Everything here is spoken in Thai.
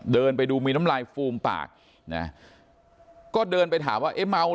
เดินไปดูมีน้ำลายฟูมปากนะก็เดินไปถามว่าเอ๊ะเมา